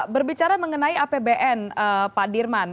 berbicara mengenai apbn pak dirman